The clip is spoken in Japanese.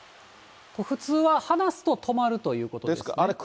普通は離すと止まるということですね。